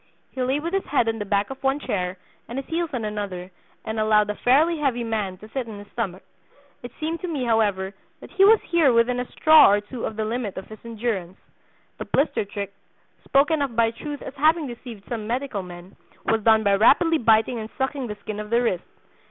He lay with his head on the back of one chair, and his heels on another, and allowed a fairly heavy man to sit on his stomach; it seemed to me, however, that he was here within a 'straw' or two of the limit of his endurance. The 'blister trick,' spoken of by Truth as having deceived some medical men, was done by rapidly biting and sucking the skin of the wrist.